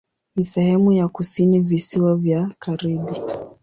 Ni sehemu ya kusini Visiwa vya Karibi.